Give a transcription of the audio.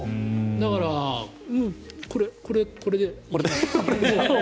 だから、これ、これで。